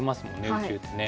宇宙ってね。